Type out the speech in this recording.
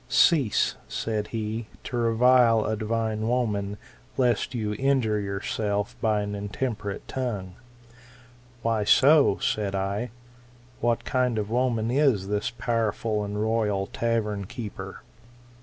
Cease, said he, to revile a divine woman, lest you injure yourself by an in* temperate tongue. Why so ? said I. What kind of woman is this powerful and royal tavern keeper